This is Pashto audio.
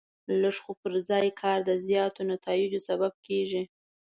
لږ خو پر ځای کار د زیاتو نتایجو سبب کېږي.